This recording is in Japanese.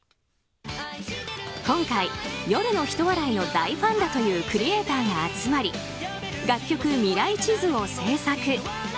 今回、夜のひと笑いの大ファンだというクリエーターが集まり楽曲「ミライチズ」を制作。